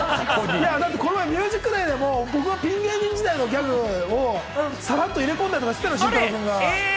この間、『ＭＵＳＩＣＤＡＹ』でも僕のピン芸人時代のギャグをさらっと入れ込んだりしてんのよ、森本くんが。